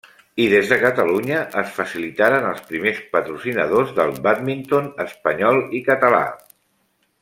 I des de Catalunya es facilitaren els primers patrocinadors del bàdminton espanyol i català.